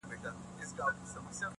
• د سپینتمان د سردونو د یسنا لوري_